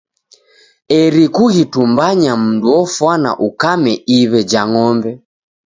Eri kughitumbanya mndu ofwana ukame iw'e ja ng'ombe.